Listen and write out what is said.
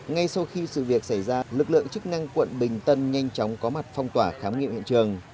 ngay sau khi sự việc xảy ra lực lượng chức năng quận bình tân nhanh chóng có mặt phong tỏa khám nghiệm hiện trường